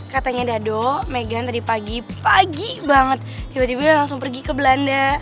katanya dado meghan tadi pagi pagi banget tiba tiba langsung pergi ke belanda